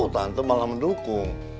tante malah mendukung